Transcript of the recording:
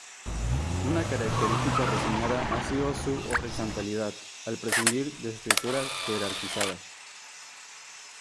Una característica reseñada ha sido su horizontalidad, al prescindir de estructura jerarquizada.